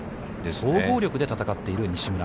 総合力で戦っている西村。